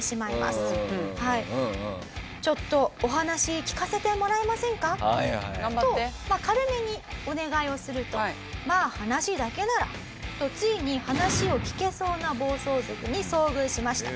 「ちょっとお話聞かせてもらえませんか？」。と軽めにお願いをすると「まあ話だけなら」とついに話を聞けそうな暴走族に遭遇しました。